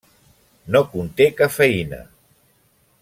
No conté cafeïna.